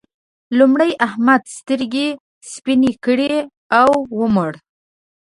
لومړی احمد سترګې سپينې کړې او ومړ.